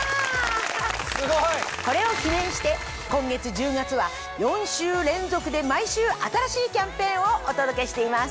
すごい！これを記念して今月１０月は４週連続で毎週新しいキャンペーンをお届けしています。